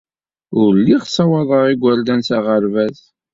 Ur lliɣ ssawaḍeɣ igerdan s aɣerbaz.